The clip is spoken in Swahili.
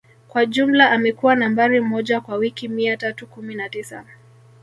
Kwa jumla amekuwa Nambari moja kwa wiki mia tatu kumi na tisa